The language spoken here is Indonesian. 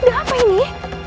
ada apa ini